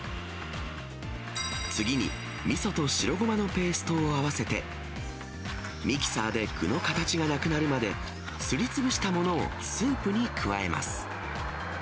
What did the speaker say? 次に、みそと白ゴマのペーストを合わせて、ミキサーで具の形がなくなるまですりつぶしたものをスープに加えます。